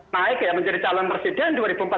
naik menjadi calon presiden